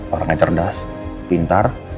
orangnya cerdas pintar